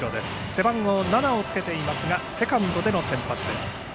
背番号７をつけていますがセカンドでの先発です。